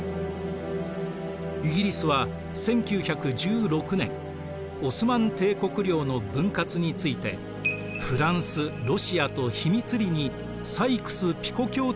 イギリスは１９１６年オスマン帝国領の分割についてフランスロシアと秘密裏にサイクス・ピコ協定を交わしていたのです。